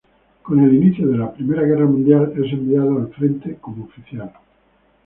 Con el inicio de la Primera Guerra Mundial es enviado al frente como oficial.